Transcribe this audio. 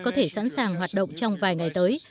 có thể sẵn sàng hoạt động trong vài ngày tới